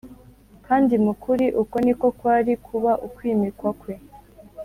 kandi mu kuri uko niko kwari kuba ukwimikwa kwe